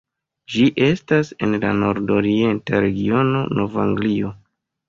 Ĝi estas en la nord-orienta regiono Nov-Anglio.